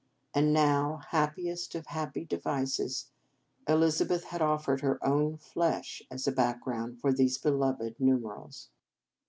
And now, happiest of happy devices, Elizabeth had offered 247 In Our Convent Days her own flesh as a background for these beloved numerals.